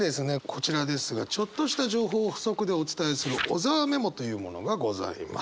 こちらですがちょっとした情報を補足でお伝えする小沢メモというものがございます。